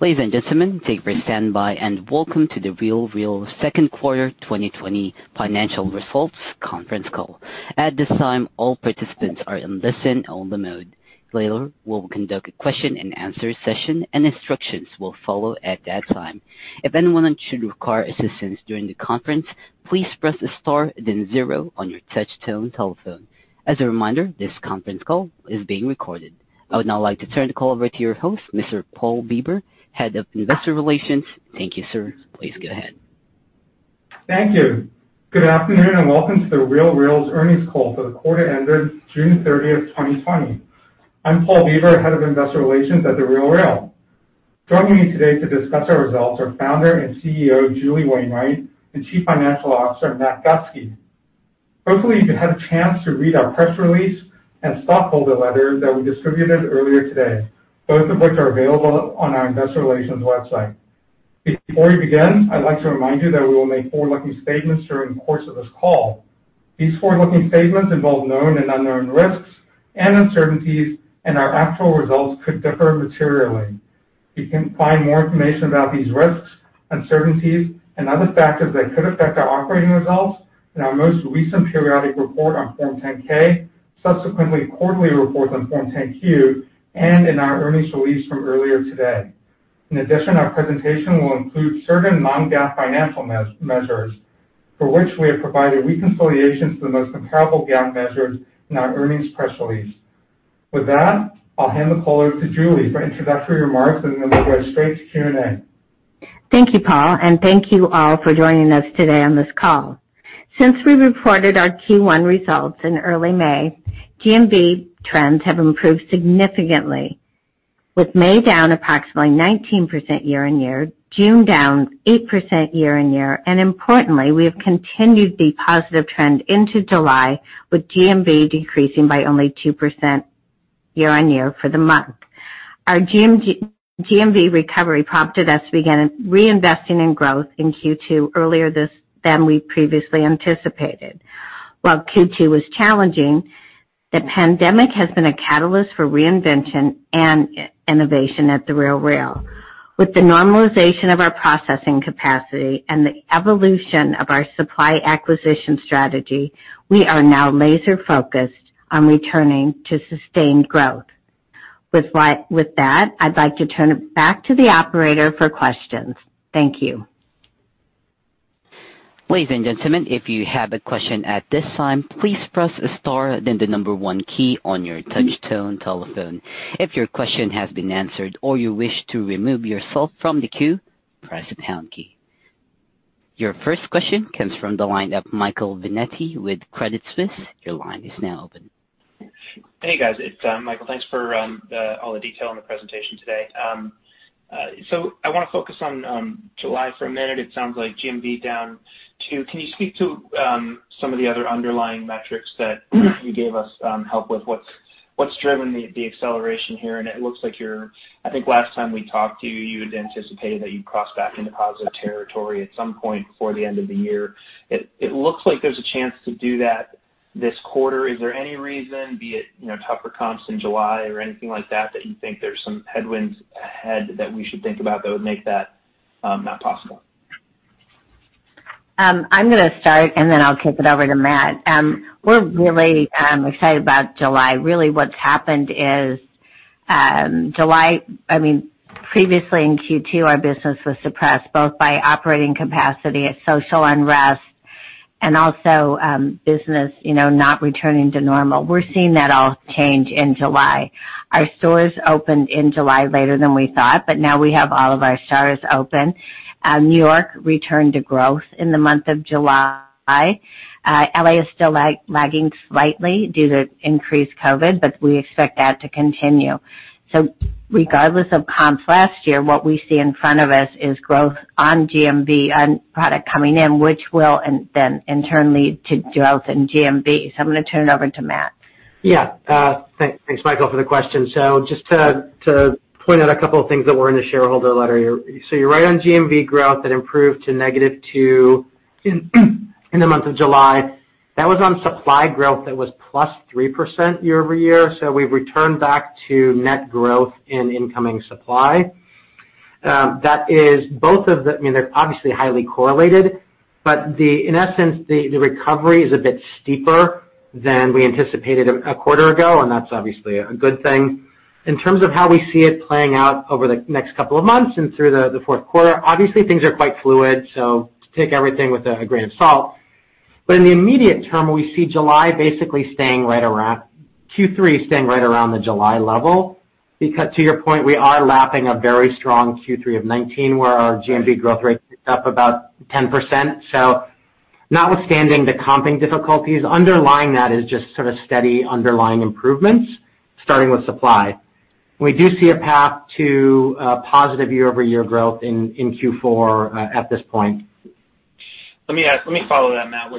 Ladies and gentlemen, thank you for standing by, and Welcome to The RealReal Second Quarter 2020 Financial Results Conference Call. At this time, all participants are in listen-only mode. Later, we'll conduct a question and answer session, and instructions will follow at that time. I would now like to turn the call over to your host, Mr. Paul Bieber, Head of Investor Relations. Thank you, sir. Please go ahead. Thank you. Good afternoon, welcome to The RealReal's earnings call for the quarter ended June 30th 2020. I'm Paul Bieber, Head of Investor Relations at The RealReal. Joining me today to discuss our results are Founder and Chief Executive Officer, Julie Wainwright, and Chief Financial Officer, Matt Gustke. Hopefully, you've had a chance to read our press release and stockholder letter that we distributed earlier today, both of which are available on our investor relations website. Before we begin, I'd like to remind you that we will make forward-looking statements during the course of this call. These forward-looking statements involve known and unknown risks and uncertainties. Our actual results could differ materially. You can find more information about these risks, uncertainties, and other factors that could affect our operating results in our most recent periodic report on Form 10-K, subsequently quarterly reports on Form 10-Q, and in our earnings release from earlier today. In addition, our presentation will include certain non-GAAP financial measures, for which we have provided reconciliations to the most comparable GAAP measures in our earnings press release. With that, I'll hand the call over to Julie for introductory remarks, and then we'll go straight to Q&A. Thank you, Paul, and thank you all for joining us today on this call. Since we reported our Q1 results in early May, GMV trends have improved significantly, with May down approximately 19% year-over-year, June down 8% year-over-year, and importantly, we have continued the positive trend into July, with GMV decreasing by only 2% year-over-year for the month. Our GMV recovery prompted us to begin reinvesting in growth in Q2 earlier than we previously anticipated. While Q2 was challenging, the pandemic has been a catalyst for reinvention and innovation at The RealReal. With the normalization of our processing capacity and the evolution of our supply acquisition strategy, we are now laser focused on returning to sustained growth. With that, I'd like to turn it back to the operator for questions. Thank you. Ladies and gentlemen, if you have a question at this time, please press star then the number one key on your touch-tone telephone. If your question has been answered or you wish to remove yourself from the queue, press the pound key. Your first question comes from the line of Michael Binetti with Credit Suisse. Your line is now open. Hey, guys, it's Michael. Thanks for all the detail in the presentation today. I want to focus on July for a minute. It sounds like GMV down two. Can you speak to some of the other underlying metrics that you gave us help with what's driven the acceleration here? It looks like I think last time we talked to you had anticipated that you'd cross back into positive territory at some point before the end of the year. It looks like there's a chance to do that this quarter. Is there any reason, be it tougher comps in July or anything like that you think there's some headwinds ahead that we should think about that would make that not possible? I'm gonna start, and then I'll kick it over to Matt. We're really excited about July. Really what's happened is previously in Q2, our business was suppressed both by operating capacity and social unrest and also business not returning to normal. We're seeing that all change in July. Our stores opened in July later than we thought. Now we have all of our stores open. New York returned to growth in the month of July. L.A. is still lagging slightly due to increased COVID. We expect that to continue. Regardless of comps last year, what we see in front of us is growth on GMV on product coming in, which will then in turn lead to growth in GMV. I'm going to turn it over to Matt. Yeah. Thanks, Michael, for the question. Just to point out a couple of things that were in the shareholder letter. You're right on GMV growth. That improved to negative two in the month of July. That was on supply growth that was plus 3% year-over-year. We've returned back to net growth in incoming supply. They're obviously highly correlated, but in essence, the recovery is a bit steeper than we anticipated a quarter ago, and that's obviously a good thing. In terms of how we see it playing out over the next couple of months and through the fourth quarter, obviously, things are quite fluid, so take everything with a grain of salt. In the immediate term, we see Q3 staying right around the July level, because to your point, we are lapping a very strong Q3 of 2019, where our GMV growth rate picked up about 10%. Notwithstanding the comping difficulties, underlying that is just sort of steady underlying improvements starting with supply. We do see a path to positive year-over-year growth in Q4 at this point. Let me follow that, Matt.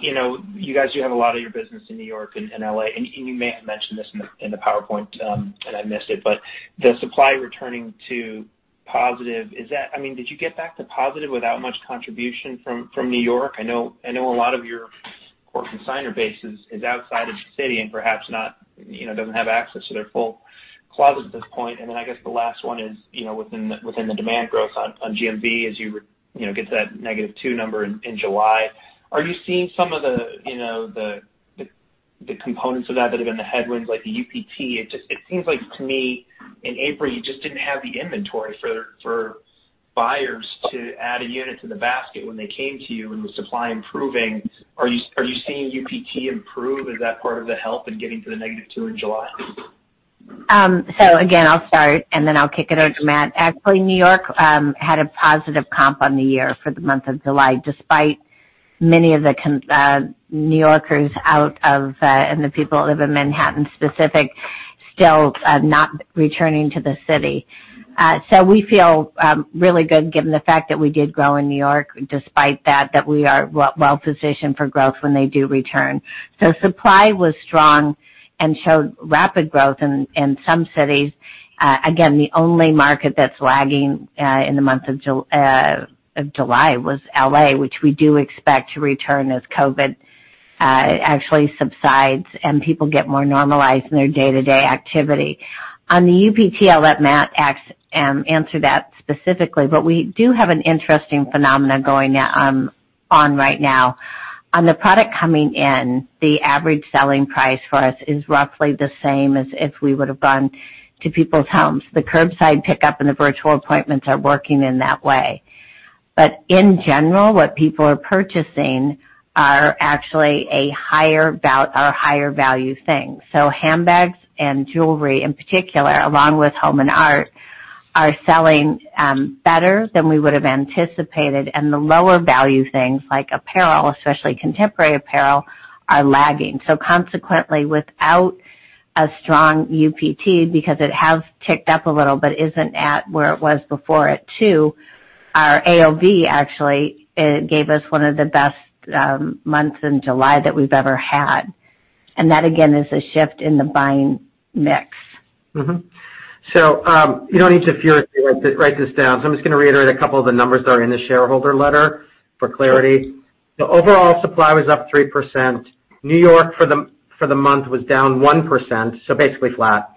You guys do have a lot of your business in N.Y. and L.A., and you may have mentioned this in the PowerPoint, and I missed it, but the supply returning to positive, did you get back to positive without much contribution from N.Y.? I know a lot of your core consignors base is outside of the city and perhaps doesn't have access to their full closet at this point. I guess the last one is, within the demand growth on GMV, as you get to that negative two number in July, are you seeing some of the components of that have been the headwinds, like the UPT? It seems like to me, in April, you just didn't have the inventory for buyers to add a unit to the basket when they came to you and the supply improving. Are you seeing UPT improve? Is that part of the help in getting to the negative two in July? Again, I'll start, and then I'll kick it over to Matt. Actually, New York had a positive comp on the year for the month of July, despite many of the New Yorkers out of, and the people that live in Manhattan specific, still not returning to the city. We feel really good given the fact that we did grow in New York despite that we are well-positioned for growth when they do return. Supply was strong and showed rapid growth in some cities. Again, the only market that's lagging in the month of July was L.A., which we do expect to return as COVID actually subsides and people get more normalized in their day-to-day activity. On the UPT, I'll let Matt answer that specifically, but we do have an interesting phenomenon going on right now. On the product coming in, the average selling price for us is roughly the same as if we would've gone to people's homes. The curbside pickup and the virtual appointments are working in that way. In general, what people are purchasing are actually a higher value thing. Handbags and jewelry in particular, along with home and art, are selling better than we would have anticipated, and the lower value things like apparel, especially contemporary apparel, are lagging. Consequently, without a strong UPT, because it has ticked up a little but isn't at where it was before at two, our AOV actually gave us one of the best months in July that we've ever had. That, again, is a shift in the buying mix. You don't need to furiously write this down. I'm just going to reiterate a couple of the numbers that are in the shareholder letter for clarity. The overall supply was up 3%. N.Y. for the month was down 1%, so basically flat.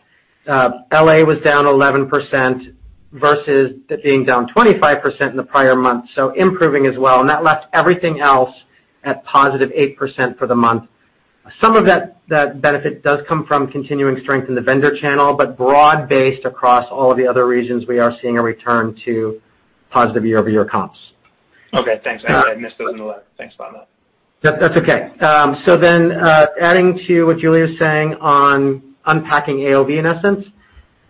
L.A. was down 11% versus it being down 25% in the prior month, so improving as well. That left everything else at positive 8% for the month. Some of that benefit does come from continuing strength in the vendor channel, broad-based across all of the other regions, we are seeing a return to positive year-over-year comps. Okay, thanks. I missed those in the letter. Thanks a lot, Matt. That's okay. Adding to what Julie is saying on unpacking AOV, in essence.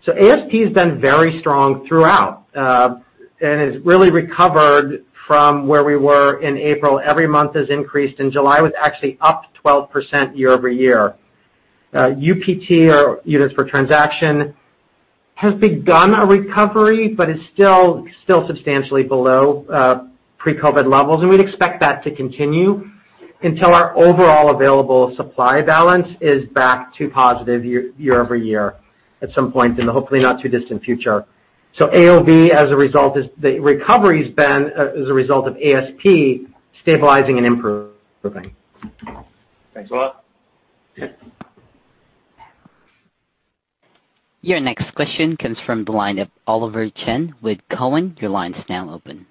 ASP has been very strong throughout, and has really recovered from where we were in April. Every month has increased. In July, it was actually up 12% year-over-year. UPT or units per transaction has begun a recovery, but is still substantially below pre-COVID levels, and we'd expect that to continue until our overall available supply balance is back to positive year-over-year at some point in the hopefully not too distant future. AOV, the recovery has been as a result of ASP stabilizing and improving. Thanks a lot. Yeah. Your next question comes from the line of Oliver Chen with Cowen. Your line is now open.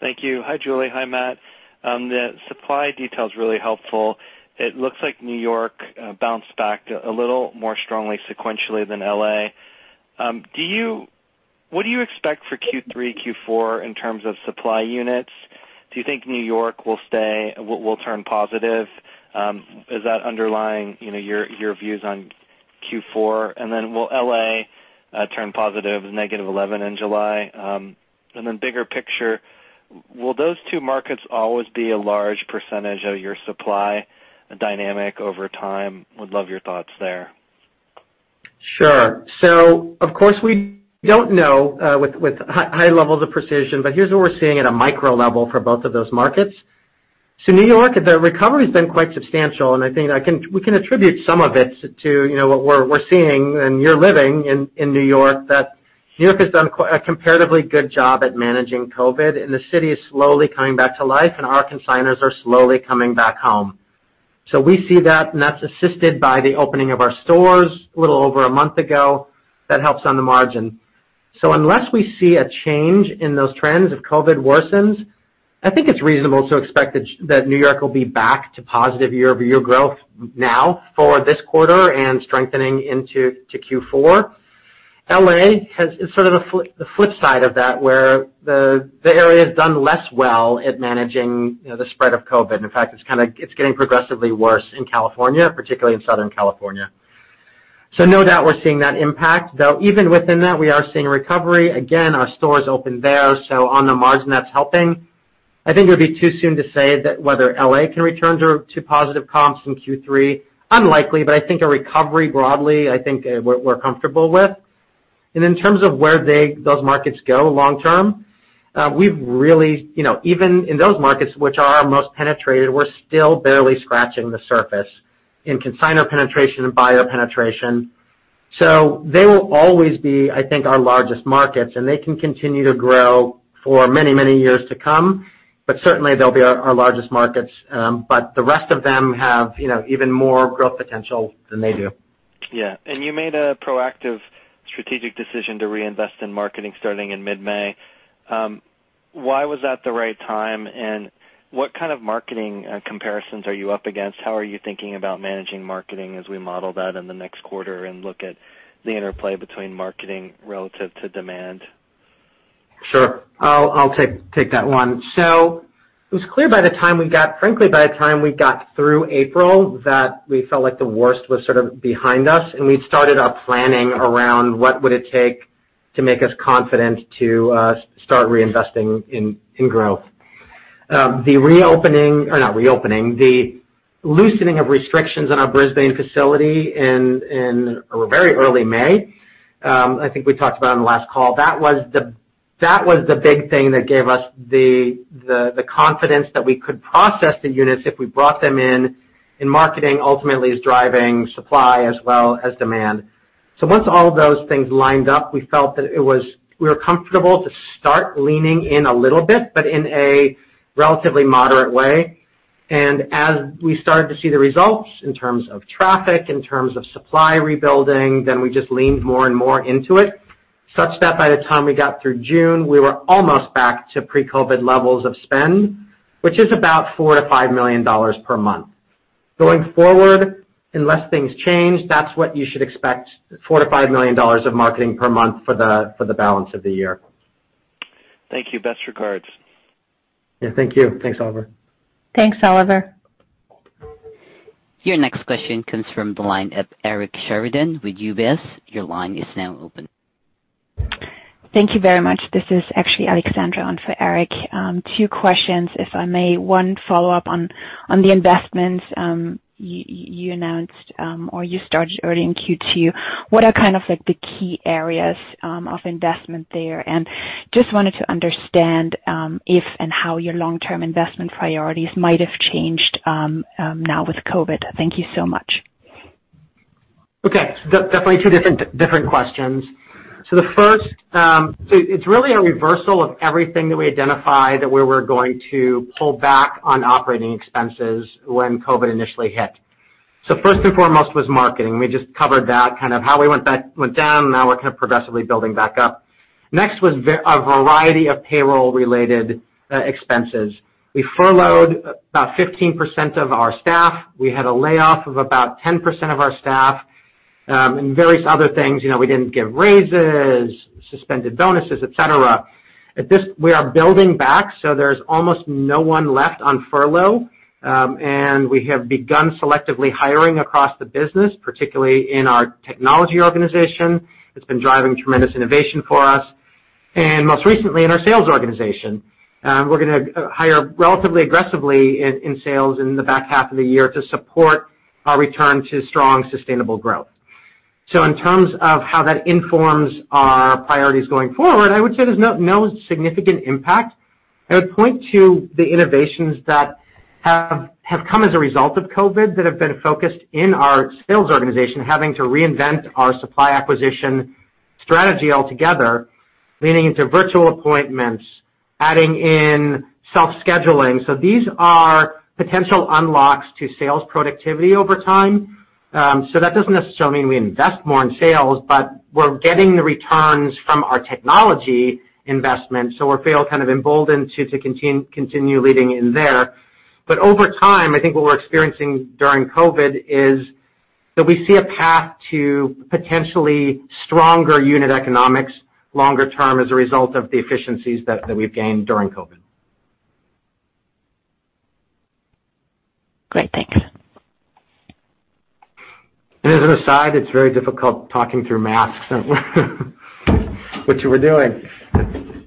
Thank you. Hi, Julie. Hi, Matt. The supply detail's really helpful. It looks like New York bounced back a little more strongly sequentially than L.A. What do you expect for Q3, Q4 in terms of supply units? Do you think New York will turn positive? Is that underlying your views on Q4? Will L.A. turn ±11 in July? Bigger picture, will those two markets always be a large percentage of your supply dynamic over time? Would love your thoughts there. Sure. Of course, we don't know with high levels of precision, but here's what we're seeing at a micro level for both of those markets. New York, the recovery's been quite substantial, and I think we can attribute some of it to what we're seeing, and you're living in New York, that New York has done a comparatively good job at managing COVID, and the city is slowly coming back to life, and our consignors are slowly coming back home. We see that, and that's assisted by the opening of our stores a little over a month ago. That helps on the margin. Unless we see a change in those trends, if COVID worsens, I think it's reasonable to expect that New York will be back to positive year-over-year growth now for this quarter and strengthening into Q4. L.A. is sort of the flip side of that, where the area has done less well at managing the spread of COVID. In fact, it's getting progressively worse in California, particularly in Southern California. No doubt we're seeing that impact, though even within that, we are seeing a recovery. Again, our stores opened there, so on the margin, that's helping. I think it would be too soon to say whether L.A. can return to positive comps in Q3. Unlikely, but I think a recovery broadly, I think we're comfortable with. In terms of where those markets go long term, even in those markets which are our most penetrated, we're still barely scratching the surface in consignor penetration and buyer penetration. They will always be, I think, our largest markets, and they can continue to grow for many, many years to come. Certainly, they'll be our largest markets. The rest of them have even more growth potential than they do. Yeah. You made a proactive strategic decision to reinvest in marketing starting in mid-May. Why was that the right time, and what kind of marketing comparisons are you up against? How are you thinking about managing marketing as we model that in the next quarter and look at the interplay between marketing relative to demand? Sure. I'll take that one. It was clear, frankly, by the time we got through April, that we felt like the worst was sort of behind us, and we'd started our planning around what would it take to make us confident to start reinvesting in growth. The loosening of restrictions on our Brisbane facility in very early May, I think we talked about on the last call. That was the big thing that gave us the confidence that we could process the units if we brought them in, and marketing ultimately is driving supply as well as demand. Once all of those things lined up, we felt that we were comfortable to start leaning in a little bit, but in a relatively moderate way. As we started to see the results in terms of traffic, in terms of supply rebuilding, then we just leaned more and more into it, such that by the time we got through June, we were almost back to pre-COVID levels of spend, which is about $4 million-$5 million per month. Going forward, unless things change, that's what you should expect, $4 million-$5 million of marketing per month for the balance of the year. Thank you. Best regards. Yeah. Thank you. Thanks, Oliver. Thanks, Oliver. Your next question comes from the line of Eric Sheridan with UBS. Your line is now open. Thank you very much. This is actually Alexandra on for Eric. Two questions, if I may. One follow-up on the investments you announced, or you started early in Q2. What are kind of like the key areas of investment there? Just wanted to understand if and how your long-term investment priorities might have changed now with COVID. Thank you so much. Okay. Definitely two different questions. The first, so it's really a reversal of everything that we identified that we were going to pull back on operating expenses when COVID initially hit. First and foremost was marketing. We just covered that, kind of how we went down, now we're kind of progressively building back up. Next was a variety of payroll-related expenses. We furloughed about 15% of our staff. We had a layoff of about 10% of our staff, and various other things. We didn't give raises, suspended bonuses, et cetera. We are building back, so there's almost no one left on furlough. We have begun selectively hiring across the business, particularly in our technology organization. It's been driving tremendous innovation for us. Most recently in our sales organization. We're going to hire relatively aggressively in sales in the back half of the year to support our return to strong, sustainable growth. In terms of how that informs our priorities going forward, I would say there's no significant impact. I would point to the innovations that have come as a result of COVID that have been focused in our sales organization, having to reinvent our supply acquisition strategy altogether, leaning into virtual appointments, adding in self-scheduling. These are potential unlocks to sales productivity over time. That doesn't necessarily mean we invest more in sales, but we're getting the returns from our technology investments, so we feel kind of emboldened to continue leading in there. Over time, I think what we're experiencing during COVID is that we see a path to potentially stronger unit economics longer term as a result of the efficiencies that we've gained during COVID. Great. Thanks. As an aside, it's very difficult talking through masks which we're doing.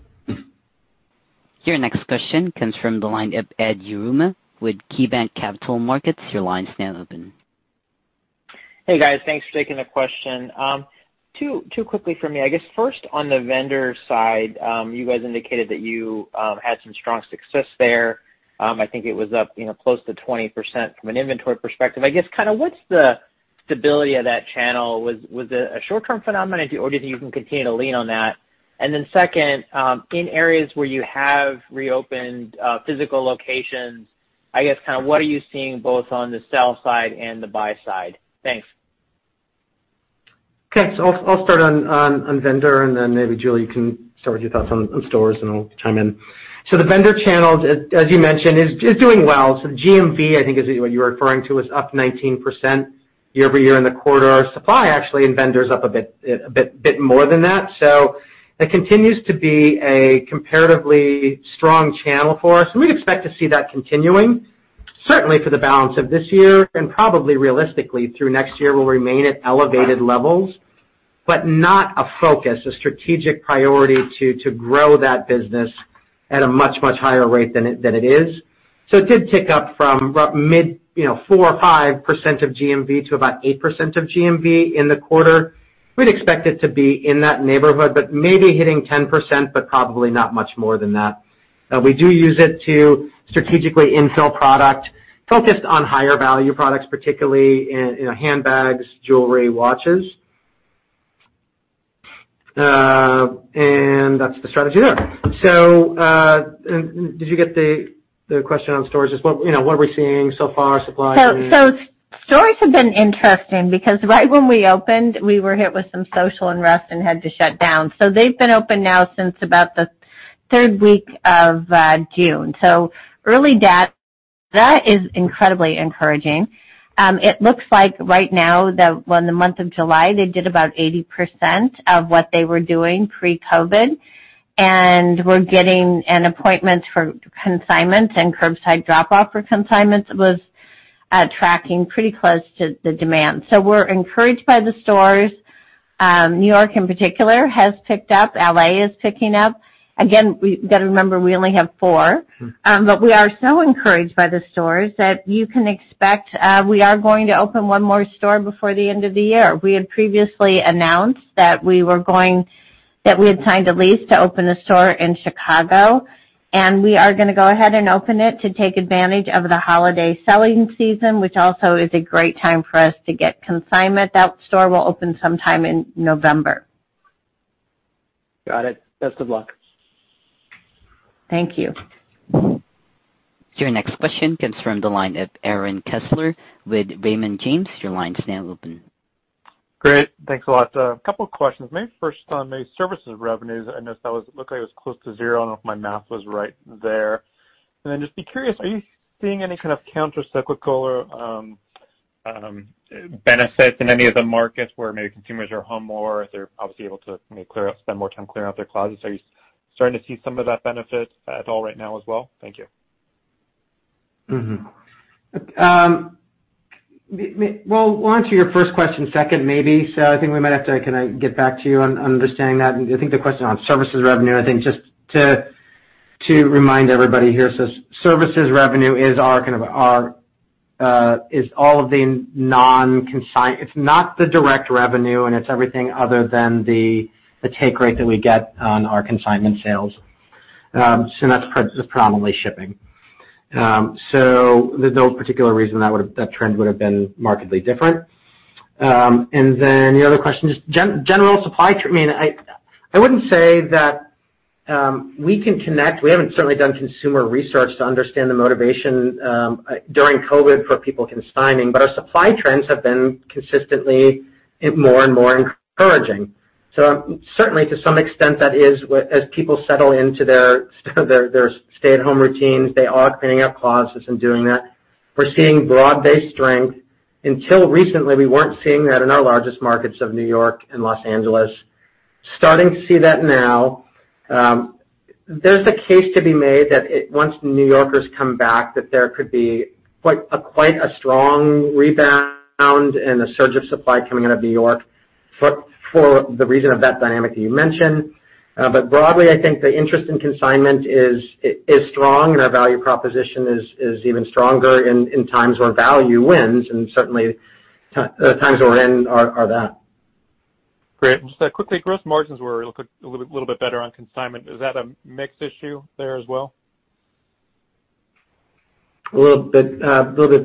Your next question comes from the line of Ed Yruma with KeyBanc Capital Markets. Your line is now open. Hey, guys. Thanks for taking the question. Two quickly from me. I guess first on the vendor side, you guys indicated that you had some strong success there. I think it was up close to 20% from an inventory perspective. I guess, kind of what's the stability of that channel? Was it a short-term phenomenon or do you think you can continue to lean on that? Second, in areas where you have reopened physical locations, I guess kind of what are you seeing both on the sell side and the buy side? Thanks. Okay. I'll start on vendor and then maybe Julie, you can start with your thoughts on stores and I'll chime in. The vendor channel, as you mentioned, is doing well. GMV, I think is what you're referring to, is up 19% year-over-year in the quarter. Our supply actually in vendors up a bit more than that. It continues to be a comparatively strong channel for us, and we'd expect to see that continuing certainly for the balance of this year and probably realistically through next year will remain at elevated levels, but not a focus, a strategic priority to grow that business at a much, much higher rate than it is. It did tick up from mid 4% or 5% of GMV to about 8% of GMV in the quarter. We'd expect it to be in that neighborhood, but maybe hitting 10%, but probably not much more than that. We do use it to strategically infill product focused on higher value products, particularly in handbags, jewelry, watches. That's the strategy there. Did you get the question on stores? Just what are we seeing so far, supply chain? Stores have been interesting because right when we opened, we were hit with some social unrest and had to shut down. They've been open now since about the third week of June. Early data is incredibly encouraging. It looks like right now that in the month of July, they did about 80% of what they were doing pre-COVID, and were getting an appointment for consignment and curbside drop-off for consignments was tracking pretty close to the demand. We're encouraged by the stores. New York in particular has picked up. L.A. is picking up. Again, we've got to remember we only have four. We are so encouraged by the stores that you can expect we are going to open one more store before the end of the year. We had previously announced that we had signed a lease to open a store in Chicago, and we are going to go ahead and open it to take advantage of the holiday selling season, which also is a great time for us to get consignment. That store will open sometime in November. Got it. Best of luck. Thank you. Your next question comes from the line of Aaron Kessler with Raymond James. Your line is now open. Great. Thanks a lot. A couple of questions. Maybe first on the services revenues. I noticed that looked like it was close to zero. I don't know if my math was right there. Just be curious, are you seeing any kind of counter cyclical benefits in any of the markets where maybe consumers are home more, if they're obviously able to maybe spend more time clearing out their closets? Are you starting to see some of that benefit at all right now as well? Thank you. Well, we'll answer your first question second maybe. I think we might have to get back to you on understanding that. I think the question on services revenue, I think just to remind everybody here, services revenue is all of the non-consignment. It's not the direct revenue and it's everything other than the take rate that we get on our consignment sales. That's predominantly shipping. There's no particular reason that trend would have been markedly different. Your other question, just general supply trend, I wouldn't say that we can connect. We haven't certainly done consumer research to understand the motivation during COVID for people consigning. Our supply trends have been consistently more and more encouraging. Certainly to some extent that is, as people settle into their stay-at-home routines, they are cleaning out closets and doing that. We're seeing broad-based strength. Until recently, we weren't seeing that in our largest markets of New York and Los Angeles. Starting to see that now. There's a case to be made that once New Yorkers come back, that there could be quite a strong rebound and a surge of supply coming out of New York for the reason of that dynamic that you mentioned. Broadly, I think the interest in consignment is strong and our value proposition is even stronger in times where value wins, and certainly the times we're in are that. Great. Just quickly, gross margins were a little bit better on consignment. Is that a mix issue there as well? A little bit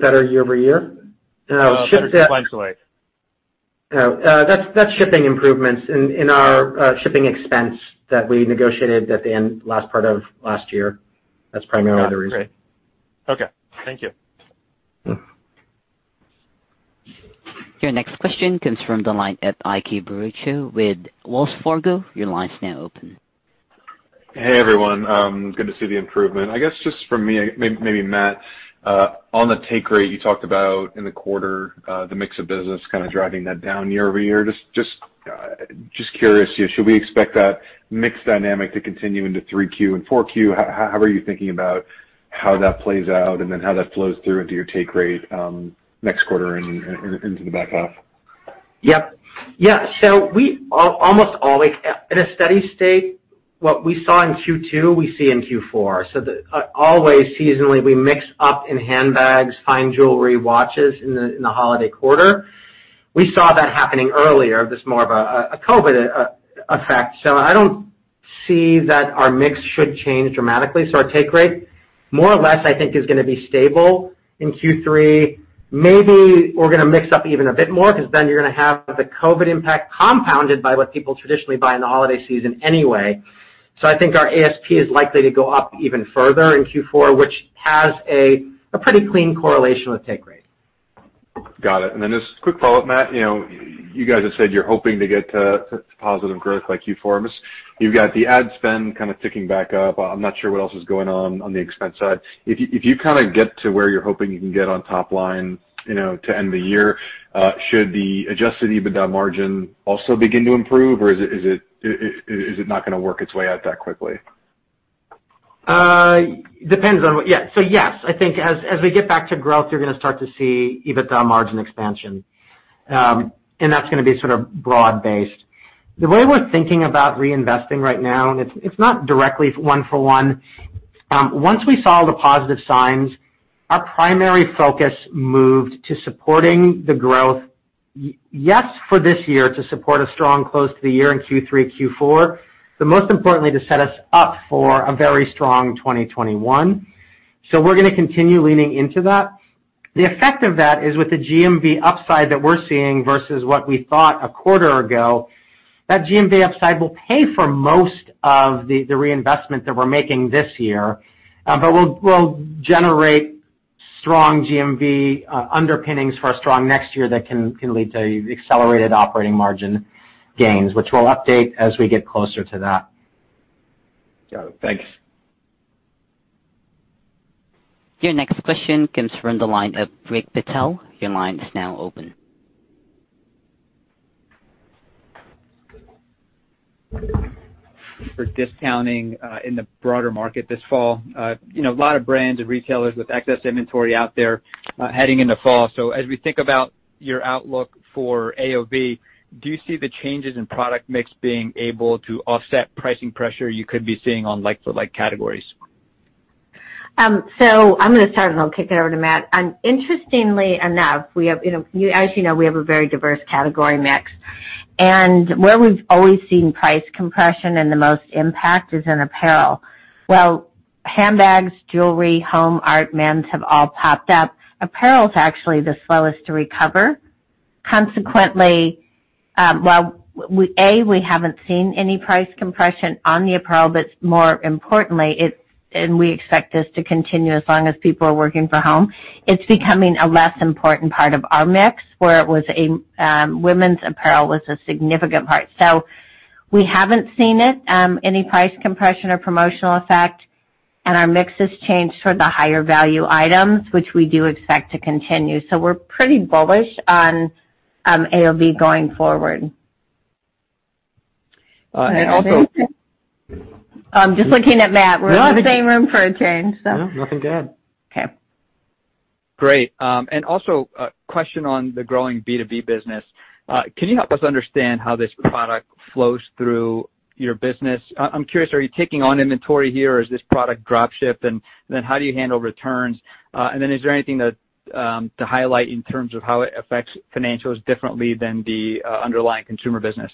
better year-over-year? Better sequentially. That's shipping improvements in our shipping expense that we negotiated at the end, last part of last year. That's primarily the reason. Got it. Great. Okay. Thank you. Your next question comes from the line of Ike Boruchow with Wells Fargo. Your line is now open. Hey, everyone. Good to see the improvement. I guess just from me, maybe Matt, on the take rate you talked about in the quarter, the mix of business kind of driving that down year-over-year. Just curious, should we expect that mix dynamic to continue into Q3 and Q4? How are you thinking about how that plays out and then how that flows through into your take rate next quarter and into the back half? Yep. Yeah. Almost always, in a steady state, what we saw in Q2, we see in Q4. Always seasonally, we mix up in handbags, fine jewelry, watches in the holiday quarter. We saw that happening earlier. This is more of a COVID effect. I don't see that our mix should change dramatically. Our take rate more or less, I think is going to be stable in Q3. Maybe we're going to mix up even a bit more, because then you're going to have the COVID impact compounded by what people traditionally buy in the holiday season anyway. I think our ASP is likely to go up even further in Q4, which has a pretty clean correlation with take rate. Got it. Just a quick follow-up, Matt. You guys have said you're hoping to get to positive growth by Q4. You've got the ad spend kind of ticking back up. I'm not sure what else is going on the expense side. If you kind of get to where you're hoping you can get on top line to end the year, should the adjusted EBITDA margin also begin to improve, or is it not going to work its way out that quickly? Depends on what Yeah. Yes, I think as we get back to growth, you're going to start to see EBITDA margin expansion. That's going to be sort of broad-based. The way we're thinking about reinvesting right now, and it's not directly one for one. Once we saw the positive signs, our primary focus moved to supporting the growth, yes, for this year to support a strong close to the year in Q3, Q4, but most importantly, to set us up for a very strong 2021. We're going to continue leaning into that. The effect of that is with the GMV upside that we're seeing versus what we thought a quarter ago, that GMV upside will pay for most of the reinvestment that we're making this year. We'll generate strong GMV underpinnings for a strong next year that can lead to accelerated operating margin gains, which we'll update as we get closer to that. Got it. Thanks. Your next question comes from the line of Rick Patel. Your line is now open. For discounting in the broader market this fall. A lot of brands and retailers with excess inventory out there heading into fall. As we think about your outlook for AOV, do you see the changes in product mix being able to offset pricing pressure you could be seeing on like categories? I'm going to start, and I'll kick it over to Matt. Interestingly enough, as you know, we have a very diverse category mix, and where we've always seen price compression and the most impact is in apparel. While handbags, jewelry, home, art, men's have all popped up, apparel is actually the slowest to recover. Consequently, while, A, we haven't seen any price compression on the apparel, but more importantly, and we expect this to continue as long as people are working from home, it's becoming a less important part of our mix, where women's apparel was a significant part. We haven't seen it, any price compression or promotional effect, and our mix has changed toward the higher value items, which we do expect to continue. We're pretty bullish on AOV going forward. And also- Just looking at Matt. We're in the same room for a change. No, looking good. Okay. Great. Also, a question on the growing B2B business. Can you help us understand how this product flows through your business? I'm curious, are you taking on inventory here, or is this product drop shipped, and then how do you handle returns? Then is there anything to highlight in terms of how it affects financials differently than the underlying consumer business?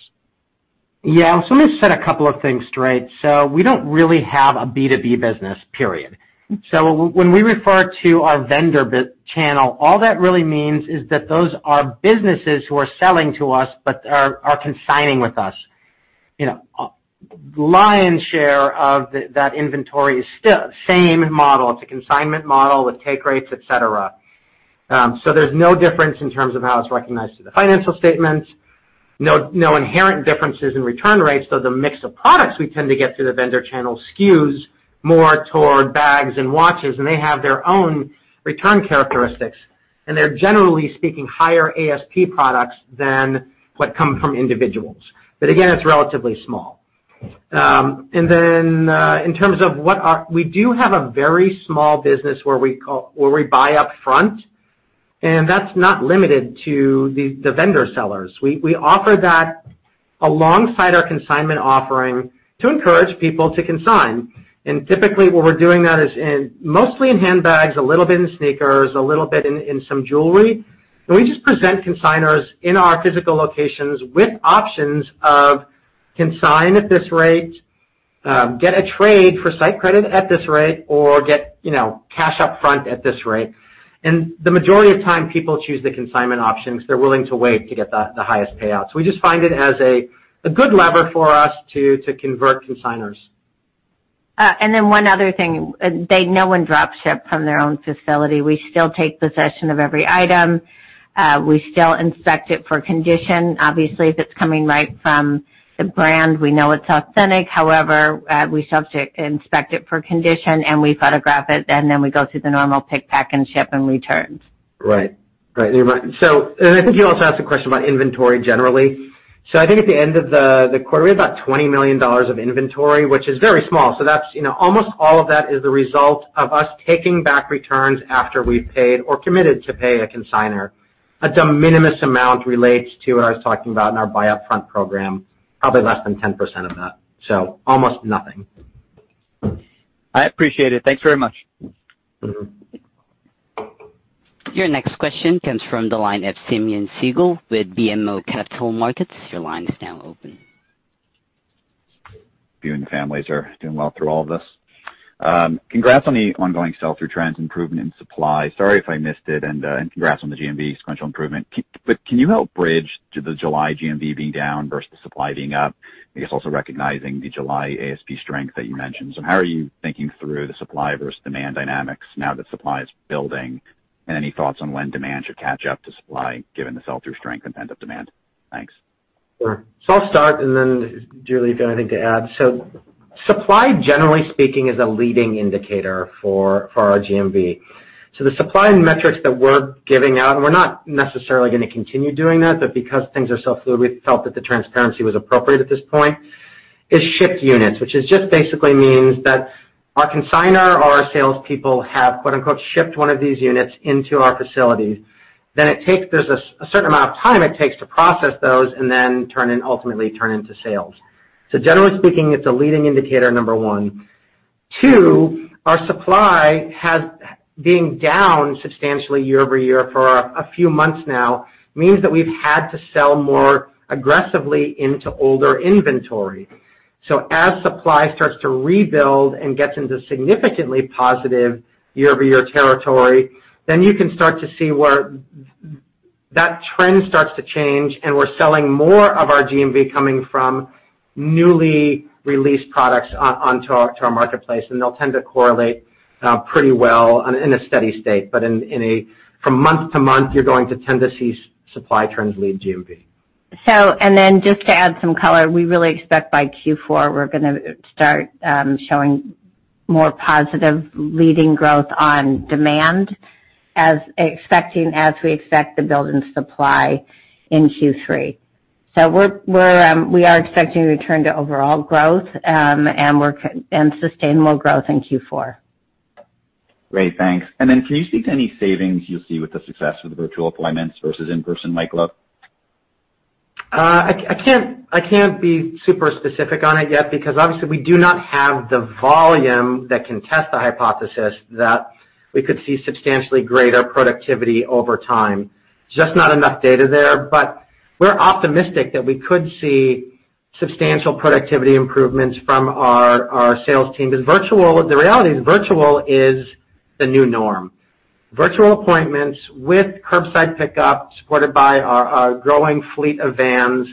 Yeah. Let me set a couple of things straight. We don't really have a B2B business, period. When we refer to our vendor channel, all that really means is that those are businesses who are selling to us but are consigning with us. Lion's share of that inventory is still same model. It's a consignment model with take rates, et cetera. There's no difference in terms of how it's recognized through the financial statements. No inherent differences in return rates, though the mix of products we tend to get through the vendor channel skews more toward bags and watches, and they have their own return characteristics, and they're, generally speaking, higher ASP products than what come from individuals. Again, it's relatively small. We do have a very small business where we buy upfront. That's not limited to the vendor sellers. We offer that alongside our consignment offering to encourage people to consign. Typically, where we're doing that is mostly in handbags, a little bit in sneakers, a little bit in some jewelry. We just present consignors in our physical locations with options of consign at this rate, get a trade for site credit at this rate, or get cash upfront at this rate. The majority of time, people choose the consignment option because they're willing to wait to get the highest payout. We just find it as a good lever for us to convert consignors. Then one other thing. They, no one drop ship from their own facility. We still take possession of every item. We still inspect it for condition. Obviously, if it's coming right from the brand, we know it's authentic. However, we still have to inspect it for condition, and we photograph it, and then we go through the normal pick, pack, and ship and returns. Right. I think you also asked a question about inventory generally. I think at the end of the quarter, we had about $20 million of inventory, which is very small. Almost all of that is the result of us taking back returns after we've paid or committed to pay a consignor. A de minimis amount relates to what I was talking about in our buy upfront program, probably less than 10% of that. Almost nothing. I appreciate it. Thanks very much. Your next question comes from the line of Simeon Siegel with BMO Capital Markets. Your line is now open. You and the families are doing well through all of this. Congrats on the ongoing sell-through trends, improvement in supply. Sorry if I missed it, congrats on the GMV sequential improvement. Can you help bridge to the July GMV being down versus supply being up, I guess, also recognizing the July ASP strength that you mentioned. How are you thinking through the supply versus demand dynamics now that supply is building, and any thoughts on when demand should catch up to supply, given the sell-through strength and pent-up demand? Thanks. Sure. I'll start, and then Julie, if you have anything to add. Supply, generally speaking, is a leading indicator for our GMV. The supply and metrics that we're giving out, and we're not necessarily going to continue doing that, but because things are so fluid, we felt that the transparency was appropriate at this point, is shipped units, which just basically means that our consignor or our salespeople have quote, unquote, "shipped one of these units into our facility." It takes, there's a certain amount of time it takes to process those and ultimately turn into sales. Generally speaking, it's a leading indicator, number one. Two, our supply has been down substantially year-over-year for a few months now, means that we've had to sell more aggressively into older inventory. As supply starts to rebuild and gets into significantly positive year-over-year territory, then you can start to see where that trend starts to change, and we're selling more of our GMV coming from newly released products onto our marketplace, and they'll tend to correlate pretty well in a steady state. From month-to-month, you're going to tend to see supply trends lead GMV. Just to add some color, we really expect by Q4, we're going to start showing more positive leading growth on demand, as we expect the build in supply in Q3. We are expecting a return to overall growth, and sustainable growth in Q4. Great. Thanks. Can you speak to any savings you'll see with the success of the virtual appointments versus in-person white glove? I can't be super specific on it yet because obviously we do not have the volume that can test the hypothesis that we could see substantially greater productivity over time. Just not enough data there, but we're optimistic that we could see substantial productivity improvements from our sales team, because the reality is virtual is the new norm. Virtual appointments with curbside pickup, supported by our growing fleet of vans,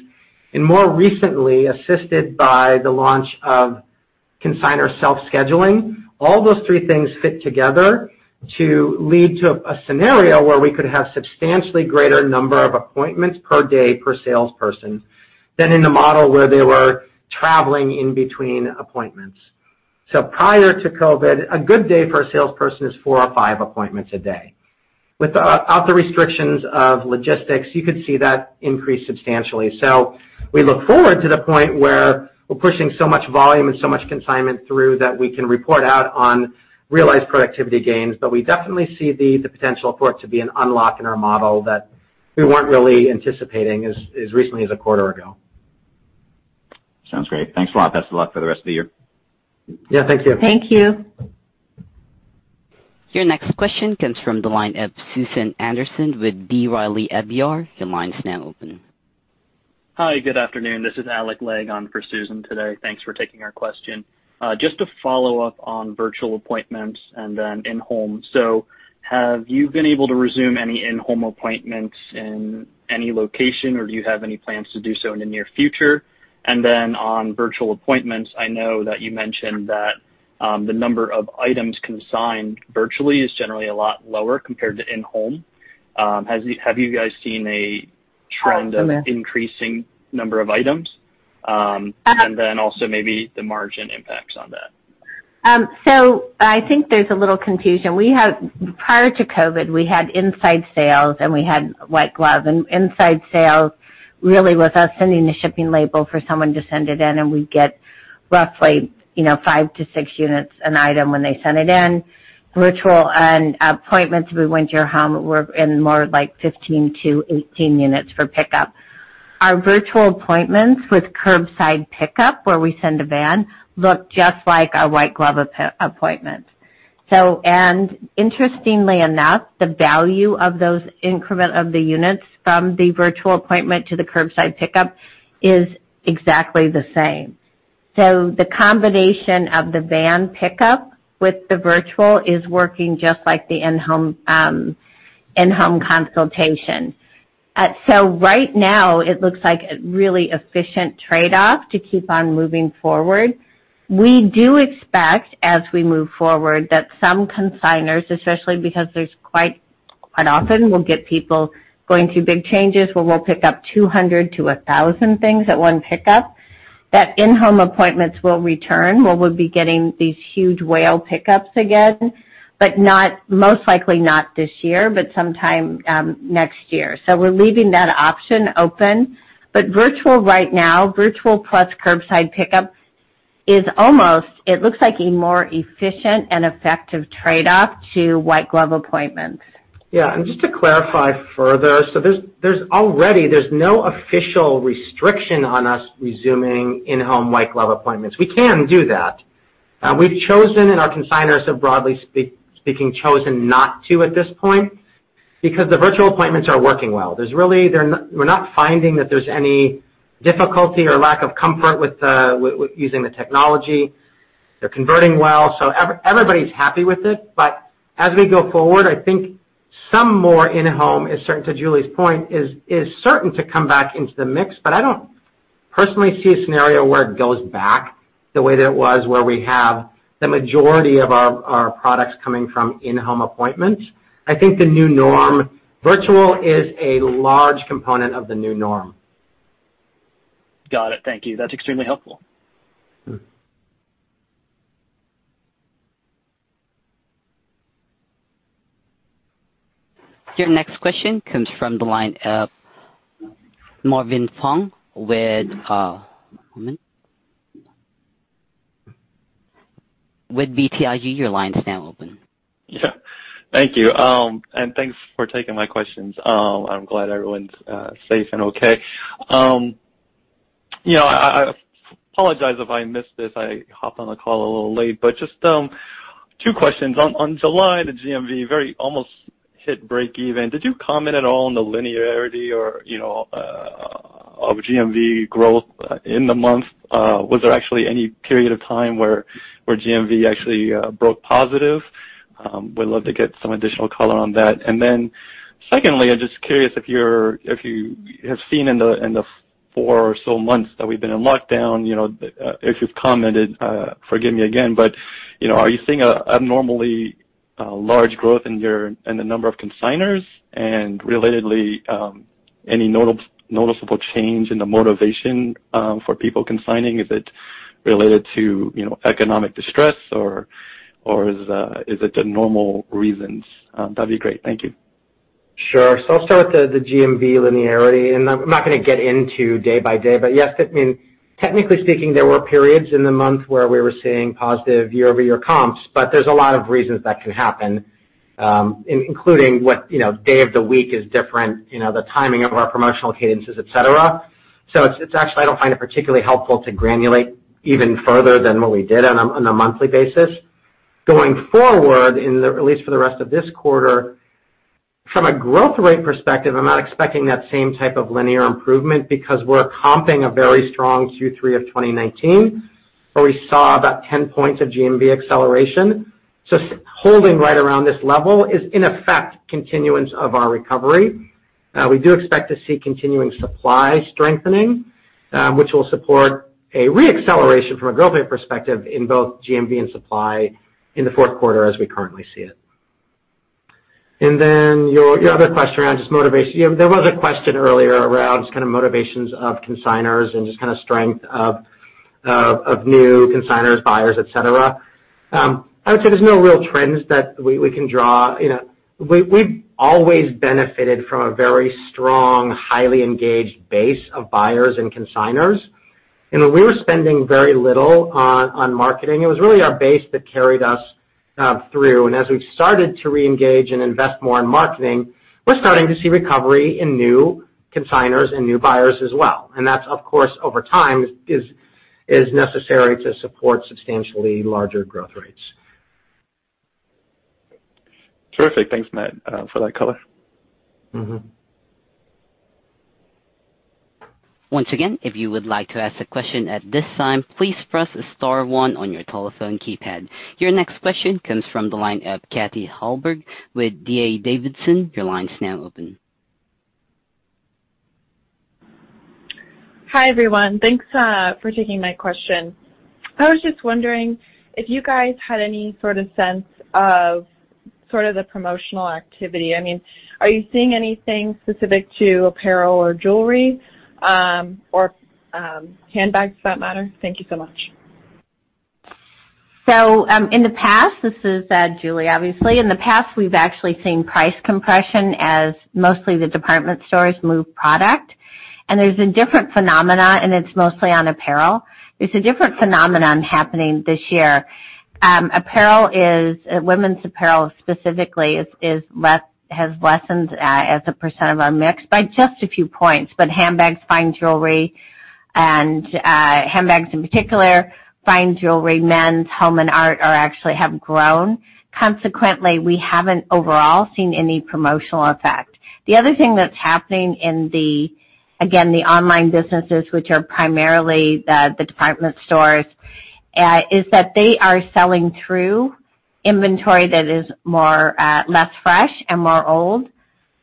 and more recently assisted by the launch of consignor self-scheduling. All those three things fit together to lead to a scenario where we could have substantially greater number of appointments per day per salesperson than in the model where they were traveling in between appointments. Prior to COVID, a good day for a salesperson is four or five appointments a day. Without the restrictions of logistics, you could see that increase substantially. We look forward to the point where we're pushing so much volume and so much consignment through that we can report out on realized productivity gains. We definitely see the potential for it to be an unlock in our model that we weren't really anticipating as recently as a quarter ago. Sounds great. Thanks a lot. Best of luck for the rest of the year. Yeah. Thank you. Thank you. Your next question comes from the line of Susan Anderson with B. Riley FBR. Your line is now open. Hi, good afternoon. This is Alec Legg on for Susan today. Thanks for taking our question. Just to follow up on virtual appointments and then in-home. Have you been able to resume any in-home appointments in any location, or do you have any plans to do so in the near future? On virtual appointments, I know that you mentioned that the number of items consigned virtually is generally a lot lower compared to in-home. Have you guys seen a trend of increasing number of items, also maybe the margin impacts on that? I think there's a little confusion. Prior to COVID, we had inside sales, and we had white glove, and inside sales really was us sending a shipping label for someone to send it in, and we'd get roughly five to six units an item when they sent it in. Virtual and appointments, we went to your home, were in more like 15 to 18 units for pickup. Our virtual appointments with curbside pickup, where we send a van, look just like our white glove appointment. Interestingly enough, the value of those increment of the units from the virtual appointment to the curbside pickup is exactly the same. The combination of the van pickup with the virtual is working just like the in-home consultation. Right now it looks like a really efficient trade-off to keep on moving forward. We do expect, as we move forward, that some consignors, especially because there's quite often we'll get people going through big changes where we'll pick up 200-1,000 things at one pickup, that in-home appointments will return, where we'll be getting these huge whale pickups again, but most likely not this year, but sometime next year. We're leaving that option open. Virtual right now, virtual plus curbside pickup is almost, it looks like a more efficient and effective trade-off to white glove appointments. Yeah. Just to clarify further, there's no official restriction on us resuming in-home white glove appointments. We can do that. We've chosen, and our consignors have, broadly speaking, chosen not to at this point, because the virtual appointments are working well. We're not finding that there's any difficulty or lack of comfort with using the technology. They're converting well. Everybody's happy with it. As we go forward, I think some more in-home, to Julie's point, is certain to come back into the mix. I don't personally see a scenario where it goes back the way that it was, where we have the majority of our products coming from in-home appointments. I think the new norm, virtual is a large component of the new norm. Got it. Thank you. That's extremely helpful. Your next question comes from the line of Marvin Fong with BTIG, your line is now open. Yeah. Thank you. Thanks for taking my questions. I'm glad everyone's safe and okay. I apologize if I missed this. I hopped on the call a little late, just two questions. On July, the GMV very almost hit breakeven. Did you comment at all on the linearity of GMV growth in the month? Was there actually any period of time where GMV actually broke positive? Would love to get some additional color on that. Secondly, I'm just curious if you have seen in the four or so months that we've been in lockdown, if you've commented, forgive me again, are you seeing an abnormally large growth in the number of consignors, and relatedly, any noticeable change in the motivation for people consigning? Is it related to economic distress, or is it the normal reasons? That'd be great. Thank you. Sure. I'll start with the GMV linearity, and I'm not going to get into day by day. Yes, technically speaking, there were periods in the month where we were seeing positive year-over-year comps, but there's a lot of reasons that can happen, including what day of the week is different, the timing of our promotional cadences, et cetera. Actually, I don't find it particularly helpful to granulate even further than what we did on a monthly basis. Going forward, at least for the rest of this quarter, from a growth rate perspective, I'm not expecting that same type of linear improvement because we're comping a very strong Q3 of 2019, where we saw about 10 points of GMV acceleration. Holding right around this level is in effect continuance of our recovery. We do expect to see continuing supply strengthening, which will support a re-acceleration from a growth rate perspective in both GMV and supply in the fourth quarter as we currently see it. Your other question around just motivation. There was a question earlier around kind of motivations of consignors and just kind of strength of new consignors, buyers, et cetera. I would say there's no real trends that we can draw. We've always benefited from a very strong, highly engaged base of buyers and consignors. We were spending very little on marketing. It was really our base that carried us through. As we've started to reengage and invest more in marketing, we're starting to see recovery in new consignors and new buyers as well. That, of course, over time, is necessary to support substantially larger growth rates. Terrific. Thanks, Matt, for that color. Once again, if you would like to ask a question at this time, please press star one on your telephone keypad. Your next question comes from the line of Katy Hallberg with D.A. Davidson. Your line is now open. Hi, everyone. Thanks for taking my question. I was just wondering if you guys had any sort of sense of the promotional activity. Are you seeing anything specific to apparel or jewelry, or handbags for that matter? Thank you so much. In the past, this is Julie, obviously. In the past, we've actually seen price compression as mostly the department stores move product. There's a different phenomenon, and it's mostly on apparel. There's a different phenomenon happening this year. Apparel is, women's apparel specifically, has lessened as a percent of our mix by just a few points. Handbags, fine jewelry, and handbags in particular, fine jewelry, men's, home and art actually have grown. Consequently, we haven't overall seen any promotional effect. The other thing that's happening in, again, the online businesses, which are primarily the department stores, is that they are selling through inventory that is less fresh and more old,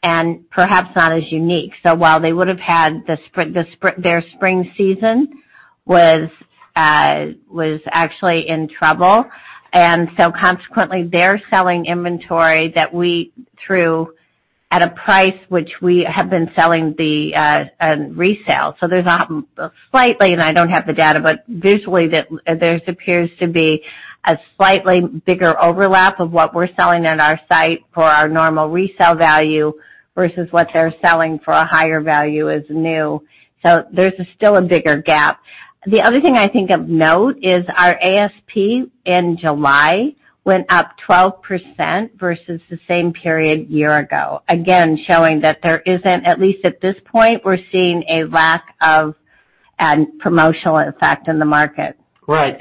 and perhaps not as unique. While they would have had their spring season was actually in trouble, and so consequently, they're selling inventory that we sold through at a price which we have been selling the resale. There's slightly, and I don't have the data, but visually, there appears to be a slightly bigger overlap of what we're selling on our site for our normal resale value versus what they're selling for a higher value as new. There's still a bigger gap. The other thing I think of note is our ASP in July went up 12% versus the same period year ago, again, showing that there isn't, at least at this point, we're seeing a lack of promotional effect in the market. Right.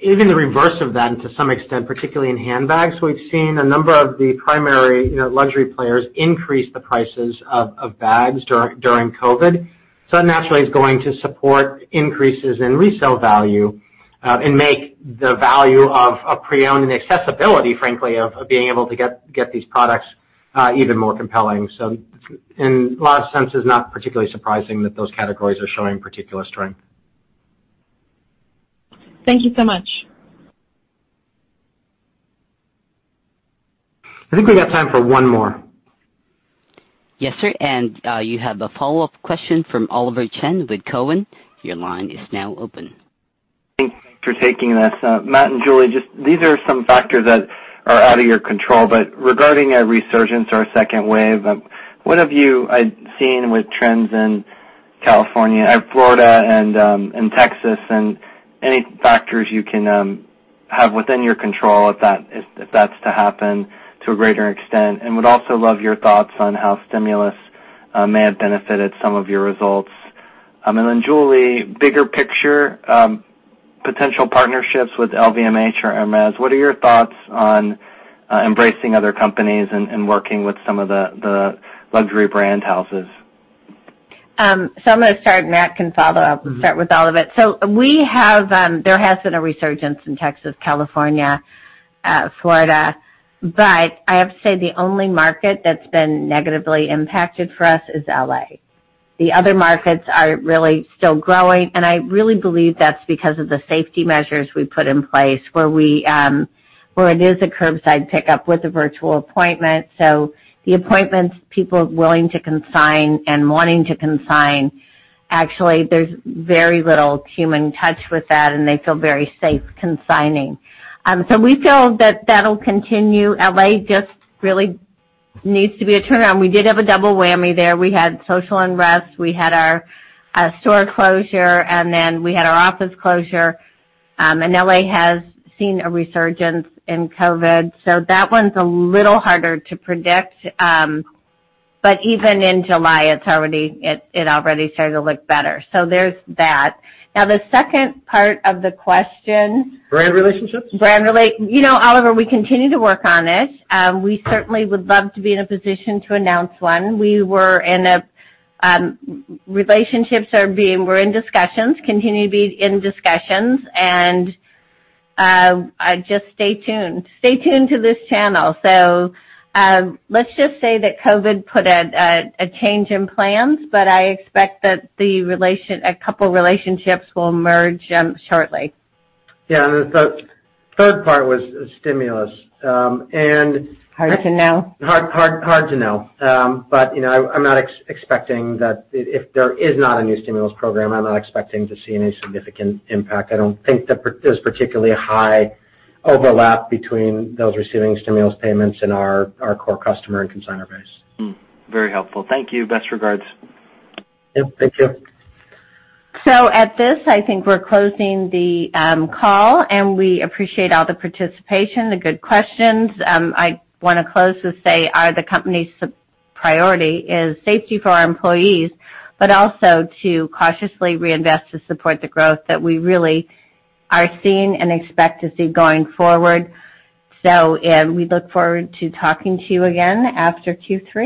Even the reverse of that, and to some extent, particularly in handbags, we've seen a number of the primary luxury players increase the prices of bags during COVID. That naturally is going to support increases in resale value, and make the value of pre-owned and accessibility, frankly, of being able to get these products even more compelling. In a lot of senses, not particularly surprising that those categories are showing particular strength. Thank you so much. I think we got time for one more. Yes, sir. You have a follow-up question from Oliver Chen with Cowen. Thanks for taking this. Matt and Julie, these are some factors that are out of your control, but regarding a resurgence or a second wave, what have you seen with trends in California and Florida and Texas, and any factors you can have within your control if that's to happen to a greater extent, and would also love your thoughts on how stimulus may have benefited some of your results. Julie, bigger picture, potential partnerships with LVMH or Hermès. What are your thoughts on embracing other companies and working with some of the luxury brand houses? I'm going to start, and Matt can follow up. I'll start with all of it. There has been a resurgence in Texas, California, Florida, but I have to say the only market that's been negatively impacted for us is L.A. The other markets are really still growing, and I really believe that's because of the safety measures we put in place where it is a curbside pickup with a virtual appointment. The appointments, people willing to consign and wanting to consign, actually, there's very little human touch with that, and they feel very safe consigning. We feel that will continue. L.A. just really needs to be a turnaround. We did have a double whammy there. We had social unrest. We had our store closure, and then we had our office closure. L.A. has seen a resurgence in COVID. That one's a little harder to predict. Even in July, it already started to look better. There's that. Now, the second part of the question. Brand relationships? Oliver, we continue to work on it. We certainly would love to be in a position to announce one. Relationships are being, continue to be in discussions, and just stay tuned. Stay tuned to this channel. Let's just say that COVID put a change in plans, but I expect that a couple relationships will merge shortly. Yeah, and the third part was stimulus. Hard to know. Hard to know. I'm not expecting that if there is not a new stimulus program, I'm not expecting to see any significant impact. I don't think that there's particularly a high overlap between those receiving stimulus payments and our Core customer and consignor base. Very helpful. Thank you. Best regards. Yep, thank you. At this, I think we're closing the call, and we appreciate all the participation, the good questions. I want to close to say the company's priority is safety for our employees, but also to cautiously reinvest to support the growth that we really are seeing and expect to see going forward. We look forward to talking to you again after Q3.